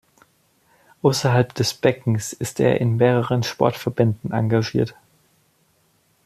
Außerhalb des Beckens ist er in mehreren Sportverbänden engagiert.